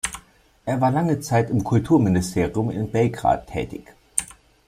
Er war lange Zeit im Kulturministerium in Belgrad tätig.